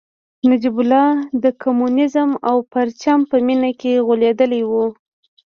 نجیب الله د کمونیزم او پرچم په مینه کې غولېدلی و